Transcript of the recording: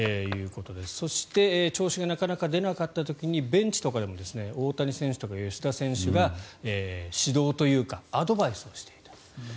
そして調子がなかなか出なかった時にベンチとかでも大谷選手とか吉田選手が指導というかアドバイスをしていた。